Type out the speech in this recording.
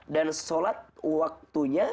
dan salat waktunya